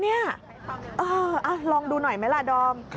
นี่ลองดูหน่อยไหมล่ะดอม